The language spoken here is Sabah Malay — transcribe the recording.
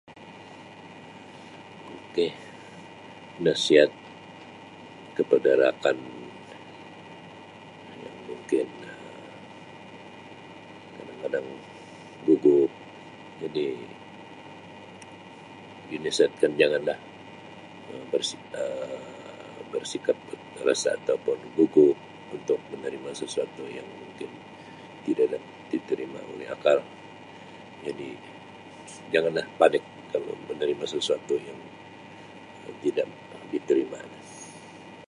Ok nasihat kepada rakan yang mungkin Um kadang-kadang gugup jadi dinasihatkan jangan lah bersik Um bersikap rasa atau gugup untuk menerima sesuatu yang mungkin tidak diterima oleh akal jadi jangan lah panik kalau menerima sesuatu yang tidak diterima.